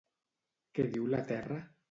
Què diu la terra?